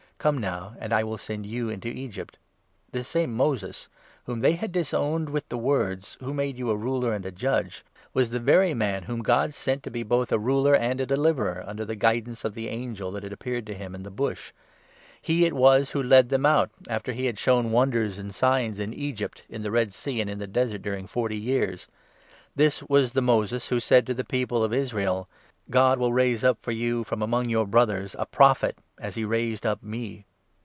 Come now and I will send you into Egypt.' This same Moses, 35 whom they had disowned with the words —' Who made you a ruler and a judge ?' was the very man whom God sent to be both a ruler and a deliverer, under the guidance of the angel that had appeared to him in the bush. He it was who led them 36 out, after he had shown wonders and signs in Egypt, in the Red Sea, and in the Desert during forty years. This was the 37 Moses who said to the people of Israel—' God will raise up for S>u, from among your brothers, a Prophet, as he raised up me.'